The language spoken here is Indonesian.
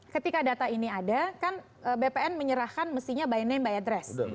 ketika data ini ada kan bpn menyerahkan mestinya by name by address